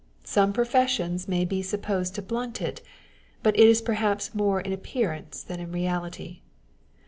Some professions may be supposed to blunt it, but it is perhaps more in appearance than in reality.